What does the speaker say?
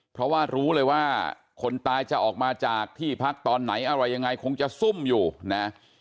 เพราะว่ารู้เลยว่าคนตายจะออกมาจากที่พักตอนไหนอะไรยังไงคงจะซุ่มอยู่นะ